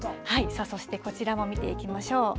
そしてこちらも見ていきましょう。